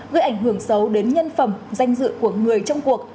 gây ảnh hưởng xấu đến nhân phẩm danh dự của người trong cuộc